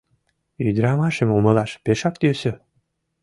Ӱдырамашым умылаш пешак йӧсӧ.